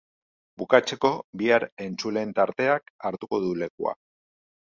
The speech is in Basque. Bukatzeko, bihar entzuleen tarteak hartuko du lekua.